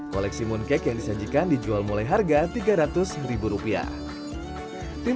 kue telurnya juga enak white lotusnya juga tidak terlalu manis